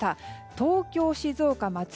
東京、静岡、松山